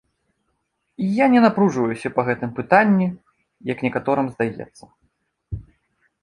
Я не напружваюся па гэтым пытанні, як некаторым здаецца.